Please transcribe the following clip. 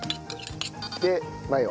でマヨ。